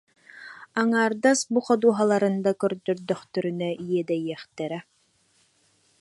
Аҥаардас бу ходуһаларын да көрдөхтөрүнэ иэдэйиэхтэрэ